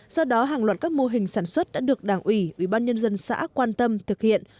do đó hàng loạt các mô hình sản xuất đã được đảng ủy ủy ban nhân dân xã quan tâm thực hiện